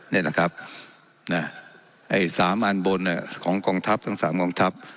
นี่นะครับไอ้สามอันบนของกองทัพทั้ง๓กองทัพ